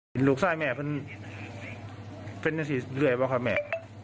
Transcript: หลุกใส่แม่เป็นเป็นนักศิริเรื่อยเปล่าค่ะแม่